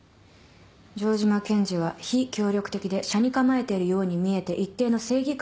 城島検事は非協力的で斜に構えているように見えて一定の正義感を持っている。